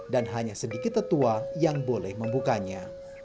dan hanya sedikit tetua yang boleh membukanya